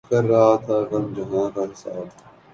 کر رہا تھا غم جہاں کا حساب